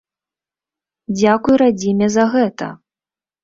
Дзякуй радзіме за гэта!